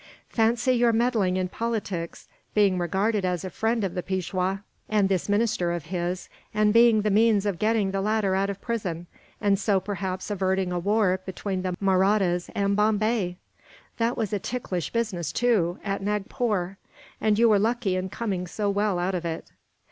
Fancy your meddling in politics, being regarded as a friend of the Peishwa and this minister of his, and being the means of getting the latter out of prison, and so perhaps averting a war between the Mahrattas and Bombay! That was a ticklish business, too, at Nagpore; and you were lucky in coming so well out of it.